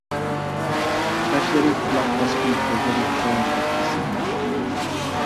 چاچلىرى قۇلاق باسقان، كۆزلىرى چوڭ بەك ئېسىل.